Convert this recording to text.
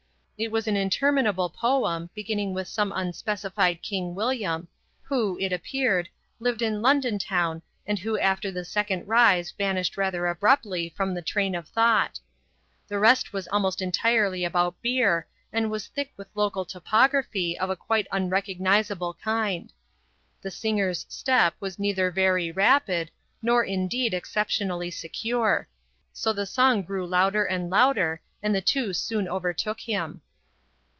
It was an interminable poem, beginning with some unspecified King William, who (it appeared) lived in London town and who after the second rise vanished rather abruptly from the train of thought. The rest was almost entirely about beer and was thick with local topography of a quite unrecognizable kind. The singer's step was neither very rapid, nor, indeed, exceptionally secure; so the song grew louder and louder and the two soon overtook him.